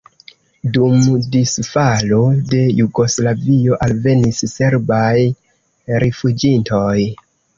Dum disfalo de Jugoslavio alvenis serbaj rifuĝintoj.